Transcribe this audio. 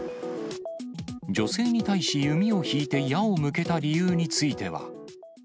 女性に対し、弓を引いて矢を向けた理由については。